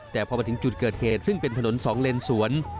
แต่พอมาถึงจุดเกิดเหตุซึ่งเป็นถนนสองเลนสวน